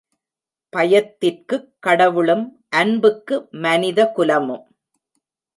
பயத்திற்குக் கடவுளும், அன்புக்கு மனித குலமும்.